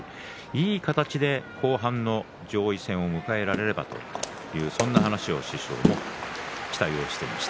いい形で後半、上位戦を迎えられればというそんな話を師匠がしています。